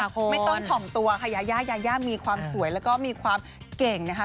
ไม่ต้องถ่อมตัวค่ะยายายามีความสวยแล้วก็มีความเก่งนะคะ